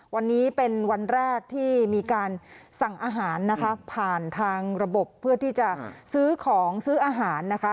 วันนี้เป็นวันแรกที่มีการสั่งอาหารนะคะผ่านทางระบบเพื่อที่จะซื้อของซื้ออาหารนะคะ